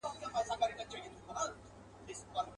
ګوندي نن وي که سبا څانګه پیدا کړي.